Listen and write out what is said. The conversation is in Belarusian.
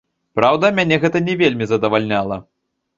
Праўда, мяне гэта не вельмі задавальняла.